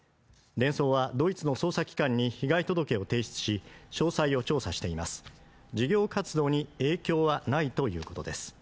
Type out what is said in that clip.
デンソーはドイツの捜査機関に被害届を提出し詳細を調査しています事業活動に影響はないということです